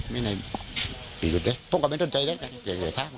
ไม่ได้พิรุธเลยพวกเขาก็ไม่ต้องใจด้วย